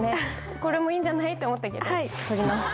これもいいんじゃない？って思ったけど撮り直して。